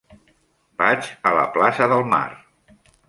Vaig a la plaça del Mar.